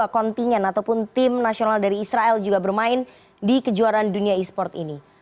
kontingen ataupun tim nasional dari israel juga bermain di kejuaraan dunia e sport ini